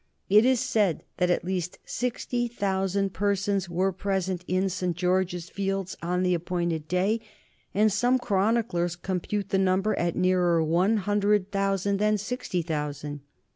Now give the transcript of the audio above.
It is said that at least sixty thousand persons were present in St. George's Fields on the appointed day, and some chroniclers compute the number at nearer one hundred thousand than sixty thousand.